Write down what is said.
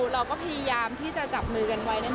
เราก็พยายามที่จะจับมือกันไว้